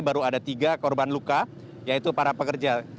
baru ada tiga korban luka yaitu para pekerja